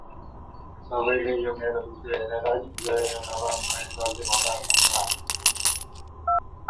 See the article on self-adjoint operators for a full treatment.